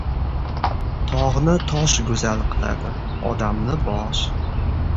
• Tog‘ni tosh go‘zal qiladi, odamni ― bosh.